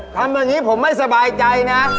ทำวันนี้ผมไม่สบายใจนะ